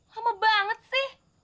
lama banget sih